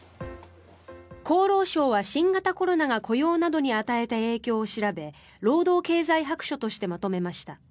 厚労省は新型コロナが雇用などに与えた影響を調べ労働経済白書としてまとめました。